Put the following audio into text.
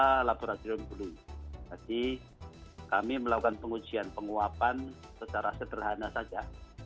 kita laboratorium dulu jadi kami melakukan pengujian penguapan secara sederhana saja